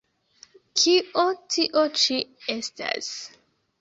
Kio tio ĉi estas?